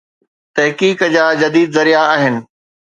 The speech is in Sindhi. تحقيق جا جديد ذريعا آهن.